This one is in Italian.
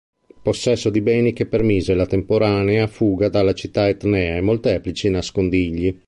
Possesso di beni che permise la temporanea fuga dalla città etnea e molteplici nascondigli.